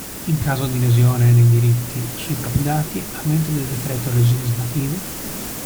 In caso di lesione nei diritti sui propri dati a mente del d. lgs.